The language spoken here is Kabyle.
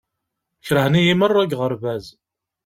Kerhen-iyi merra deg uɣerbaz.